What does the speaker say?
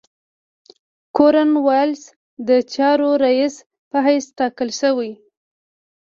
کورن والیس د چارو رییس په حیث تاکل شوی.